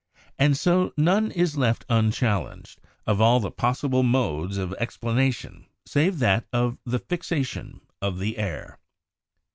^ And so none is left unchallenged of all the possible modes of explanation save that of the fixation of the air.